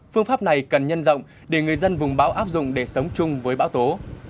phương pháp này cần nhân rộng để người dân vùng bão áp dụng để sống chung với bão tố